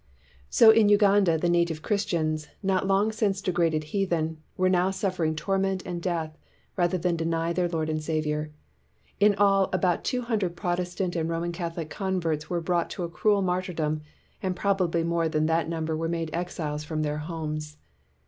So in Uganda the native Christians, not long since degraded heathen, were now suf fering torment and death rather than deny their Lord and Saviour. In all, about two hundred Protestant and Roman Catholic converts were brought to a cruel martyr dom, and probably more than that number were made exiles from their homes.